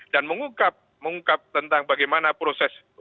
dan mengungkap tentang bagaimana proses